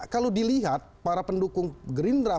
kalau dilihat para pendukung gerindra